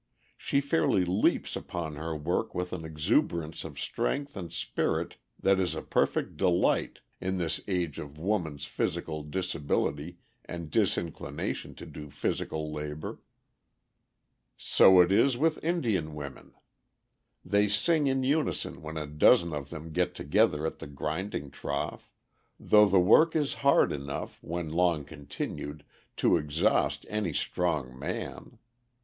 She fairly "leaps" upon her work with an exuberance of strength and spirit that is a perfect delight, in this age of woman's physical disability and disinclination to do physical labor. [Illustration: NAVAHO MAIDENS CARRYING WATER OVER THE DESERT]. So it is with Indian women. They sing in unison when a dozen of them get together at the grinding trough; though the work is hard enough, when long continued, to exhaust any strong man.